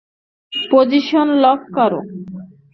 Position lock করো।